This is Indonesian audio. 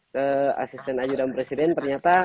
ke asisten ajudan presiden ternyata